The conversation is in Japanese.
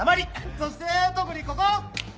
そして特にここ！